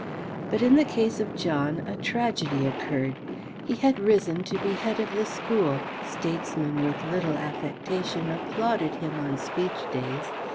But in the case of John a tragedy occurred. He had risen to be head of the school; statesmen with little affectation applauded him on speech days.